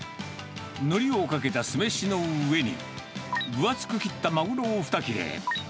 のりをかけた酢飯の上に、分厚く切ったマグロを２切れ。